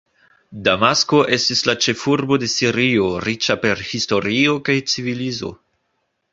Damasko estis la ĉefurbo de Sirio, riĉa per historio kaj civilizo.